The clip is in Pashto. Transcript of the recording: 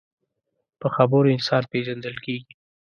په خبرو انسان پیژندل کېږي